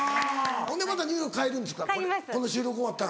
ほんでまたニューヨーク帰るんですかこの収録終わったら。